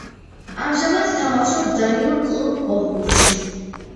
ამჟამად თამაშობს დანიურ კლუბ „ორჰუსში“.